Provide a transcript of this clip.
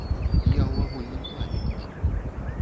Я ў агульным плане кажу.